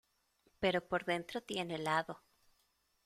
pero por dentro tiene helado.